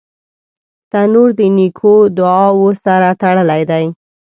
تنور د نیکو دعاوو سره تړلی دی